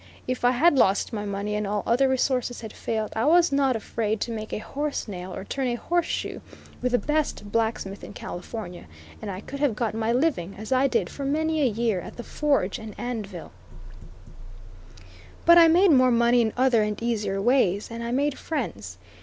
If I had lost my money and all other resources had failed, I was not afraid to make a horse nail or turn a horse shoe with the best blacksmith in California, and I could have got my living, as I did for many a year, at the forge and anvil. But I made more money in other and easier ways, and I made friends.